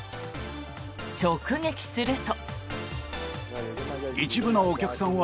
直撃すると。